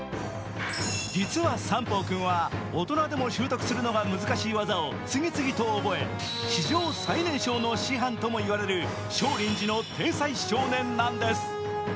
実は三宝君は大人でも習得するのが難しい技を次々と覚え史上最年少の師範ともいわれる少林寺の天才少年なんです。